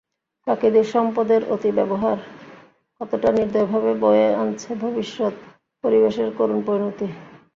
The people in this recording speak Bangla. প্রাকৃতিক সম্পদের অতি ব্যবহার কতটা নির্দয়ভাবে বয়ে আনছে ভবিষ্যৎ পরিবেশের করুণ পরিণতি।